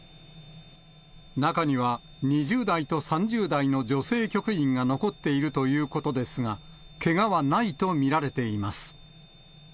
中には２０代と３０代の女性局員が残っているということですが、けがはないと見られています。